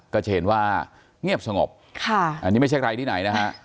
ก็จะเห็นว่าเงียบสงบค่ะอันนี้ไม่ใช่ใครที่ไหนนะฮะ